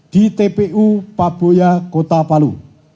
di tpu paboya kota palu